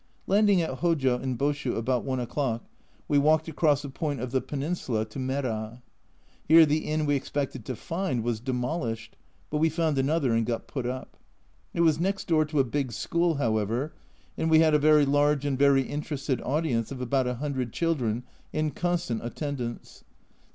Landing at Hojo in Boshu about i o'clock, we walked across a point of the peninsula to Mera. Here the inn we expected to find was demolished, but we found another and got put up. It was next door to a big school, however, and we had a very large and very interested audience of about a hundred children in constant attendance.